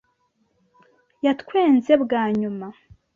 Yatwenze bwa nyuma.